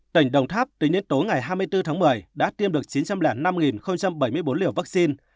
tỉnh đồng tháp tính đến tối ngày hai mươi bốn tháng một mươi đã tiêm được chín trăm linh năm bảy mươi bốn liều vaccine